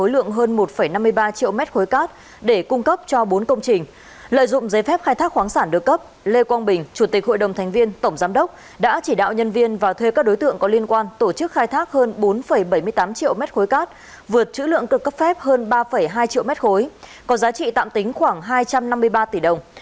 lợi dụng hơn khai thác khoáng sản được cấp lê quang bình chủ tịch hội đồng thành viên tổng giám đốc đã chỉ đạo nhân viên và thuê các đối tượng có liên quan tổ chức khai thác hơn bốn bảy mươi tám triệu mét khối cát vượt chữ lượng cực cấp phép hơn ba hai triệu mét khối có giá trị tạm tính khoảng hai trăm năm mươi ba tỷ đồng